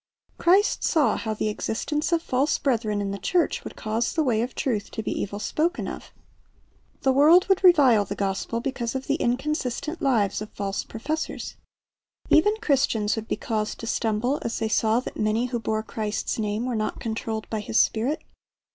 Christ saw how the existence of false brethren in the church would cause the way of truth to be evil spoken of The world would revile the gospel because of the inconsistent lives of false professors. Even Christians would be caused to stumble as they saw that many who bore Christ's name were not controlled by His Spirit.